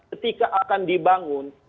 ketika akan dibangun